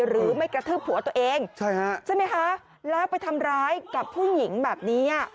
หรือไม่กระทืบผัวตัวเองใช่ฮะใช่ไหมคะแล้วไปทำร้ายกับผู้หญิงแบบนี้